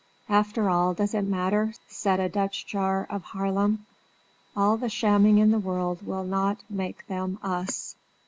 "After all, does it matter?" said a Dutch jar of Haarlem, "All the shamming in the world will not make them us!"